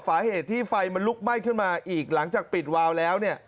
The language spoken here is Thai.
สาเหตุที่ไฟมันลุกไหม้ขึ้นมาอีกหลังจากปิดวาวแล้วเนี่ย